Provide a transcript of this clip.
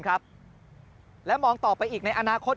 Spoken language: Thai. กลับวันนั้นไม่เอาหน่อย